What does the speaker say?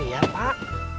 belum lihat pak